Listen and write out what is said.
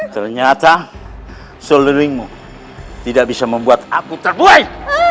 ternyata seluruhmu tidak bisa membuat aku terbuih